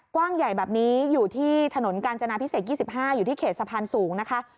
กว้างใหญ่แบบนี้อยู่ที่ถนนกาญจนาพิเศษ๒๕อยู่ที่เขตสะพานสูงนะคะ